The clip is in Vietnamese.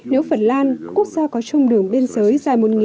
nếu phần lan quốc gia có chung đường biên giới dài một ngày